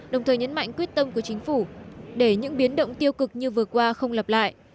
đồng thời nhấn mạnh quyết tâm của chính phủ để những biến động tiêu cực như vừa qua không lặp lại